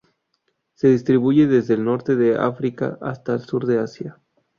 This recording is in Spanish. Se distribuye desde el Norte de África hasta el sur de Asia.